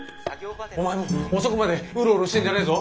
お前も遅くまでウロウロしてんじゃねえぞ。